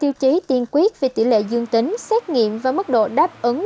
tiêu chí tiên quyết về tỷ lệ dương tính xét nghiệm và mức độ đáp ứng